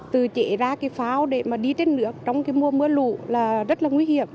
tự chế ra cái phao để mà đi trên nước trong cái mưa lũ là rất là nguy hiểm